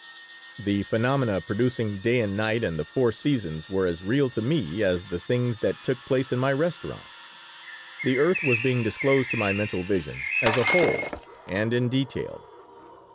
The phenomena producing day and night and the four seasons were as real to me as the things that took place in my restaurant. The earth was being disclosed to my mental vision as a whole and in detail.